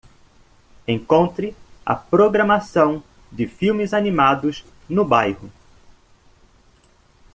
Encontre a programação de filmes animados no bairro.